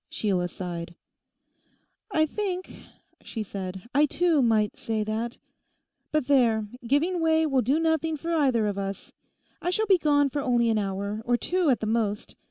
Sheila sighed. 'I think,' she said, 'I too might say that. But there; giving way will do nothing for either of us. I shall be gone only for an hour, or two at the most.